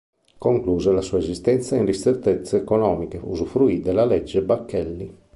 Concluse la sua esistenza in ristrettezze economiche, usufruì della legge Bacchelli.